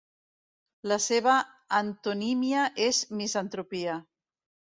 La seva antonímia és misantropia.